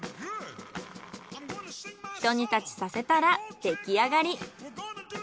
ひと煮立ちさせたらできあがり。